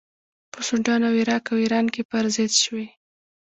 په سودان او عراق او ایران کې پر ضد شوې.